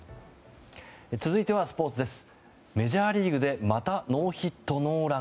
続いてはスポーツです。